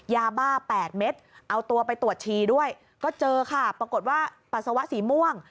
ยาบ้า๘เม็ดเอาตัวไปตรวจชีด้วยก็เจอค่ะปรากฏว่าปัสสาวะสีม่วง